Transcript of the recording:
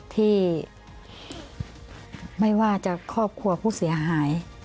ที่ไม่ว่าจะครอบครัวผู้เสียหาย